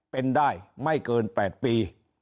เป็นได้ไม่เกิน๘ปี